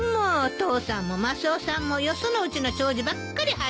父さんもマスオさんもよそのうちの障子ばっかり張りに行って。